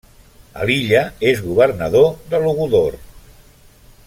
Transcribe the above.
A l'illa és governador de Logudor.